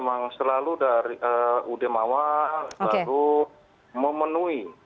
memang selalu dari ud mawar selalu memenuhi